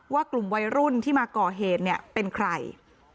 ว่ากลุ่มวัยรุ่นที่มาก่อเหตุเนี่ยเป็นใคร